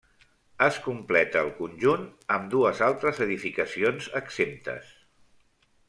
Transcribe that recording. Es completa el conjunt amb dues altres edificacions exemptes.